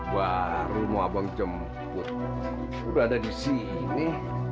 baru mau abang jemput udah ada di sini